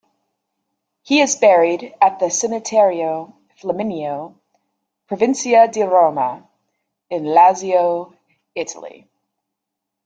He is buried at the Cimitero Flaminio, Provincia di Roma, in Lazio, Italy.